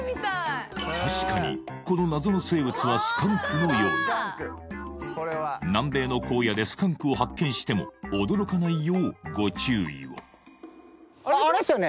確かにこの謎の生物はスカンクのようだ南米の荒野でスカンクを発見しても驚かないようご注意をあれですよね？